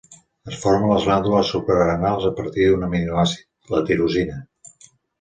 Es forma a les glàndules suprarenals a partir d’un aminoàcid, la tirosina.